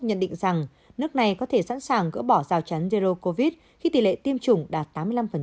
nhận định rằng nước này có thể sẵn sàng gỡ bỏ rào chắn zero covid khi tỷ lệ tiêm chủng đạt tám mươi năm